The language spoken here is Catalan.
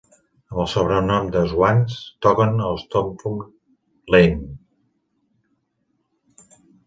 Amb el sobrenom de Swans, toquen a Stompond Lane.